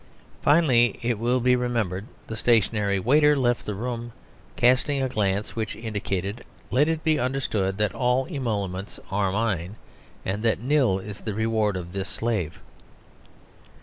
Finally, it will be remembered the "stationary waiter" left the room, casting a glance which indicated "let it be understood that all emoluments are mine, and that Nil is the reward of this slave."